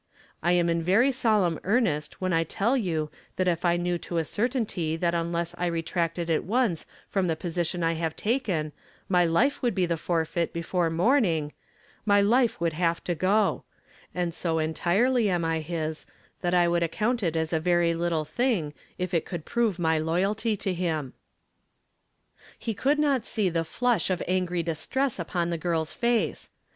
I am in very solemn earnest when I tell you that if I knew to a certainty that unless I retracted at puce from the position 1 have taken, my life would be the forfeit before morn ing, my life would have to go ; and so entirely am I his, that I would account it as a very little thing if it could prove my loyalty to him." He could not see tlie flush of angry distress upon the girl's face.